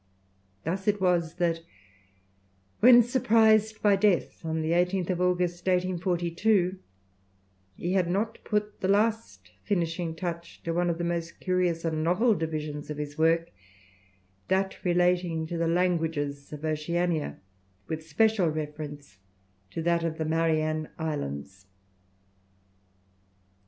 Thus it was that when surprised by death on the 18th of August, 1842, he had not put the last finishing touch to one of the most curious and novel divisions of his work, that relating to the languages of Oceania with special reference to that of the Marianne Islands.